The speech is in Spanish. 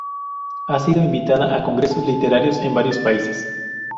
Ha sido invitada a congresos literarios en varios países.